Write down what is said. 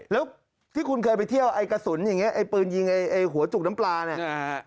แล้วที่คุณเคยไปเที่ยวไอ้กระสุนอย่างนี้ไอ้ปืนยิงไอ้หัวจุกน้ำปลาเนี่ย